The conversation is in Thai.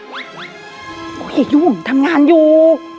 โอ้ยอยู่เหมือนทำงานอยู่